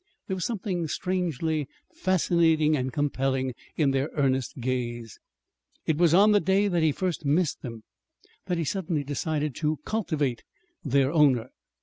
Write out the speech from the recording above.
There was something strangely fascinating and compelling in their earnest gaze. It was on the day that he first missed them that he suddenly decided to cultivate their owner.